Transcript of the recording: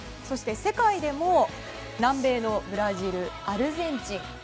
そして世界でも南米のブラジル、アルゼンチン。